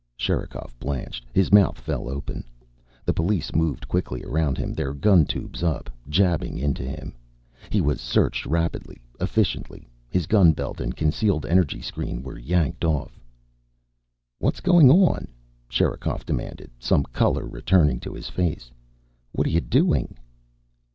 Sherikov blanched. His mouth fell open. The police moved quickly around him, their gun tubes up, jabbing into him. He was searched rapidly, efficiently. His gun belt and concealed energy screen were yanked off. "What's going on?" Sherikov demanded, some color returning to his face. "What are you doing?"